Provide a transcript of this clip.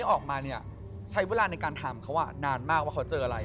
ออกมาเนี่ยใช้เวลาในการถามเขานานมากว่าเขาเจออะไร